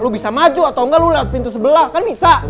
lu bisa maju atau nggak lu lihat pintu sebelah kan bisa